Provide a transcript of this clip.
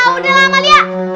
udah lah amalia